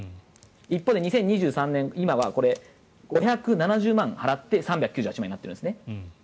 一方で２０２３年今は５７０万払って３９８万円になってるんです。